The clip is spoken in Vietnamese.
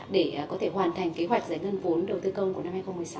để có thể hoàn thành kế hoạch giải ngân vốn đầu tư công của năm hai nghìn một mươi sáu